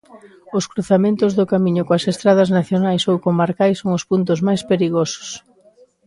Os cruzamentos do camiño coas estradas nacionais ou comarcais son os puntos máis perigosos.